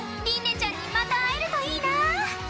ちゃんにまた会えるといいな。